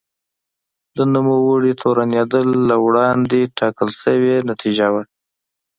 د نوموړي تورنېدل له وړاندې ټاکل شوې نتیجه وه.